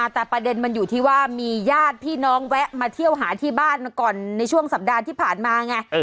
แต่ประเด็นมันอยู่ที่ว่ามีญาติพี่น้องแวะมาเที่ยวหาที่บ้านมาก่อนในช่วงสัปดาห์ที่ผ่านมาไง